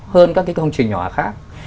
hơn các cái công trình nhỏ khác